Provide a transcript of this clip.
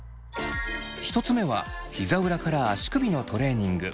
１つ目はひざ裏から足首のトレーニング。